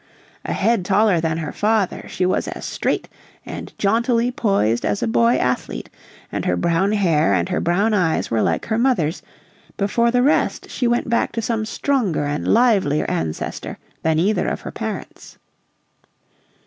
A head taller than her father, she was as straight and jauntily poised as a boy athlete; and her brown hair and her brown eyes were like her mother's, but for the rest she went back to some stronger and livelier ancestor than either of her parents.